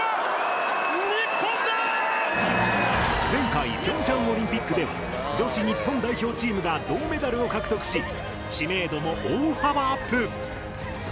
前回平昌オリンピックでは女子日本代表チームが銅メダルを獲得し知名度も大幅アップ！